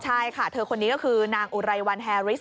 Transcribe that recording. ใช่ค่ะเธอคนนี้ก็คือนางอุไรวันแฮริส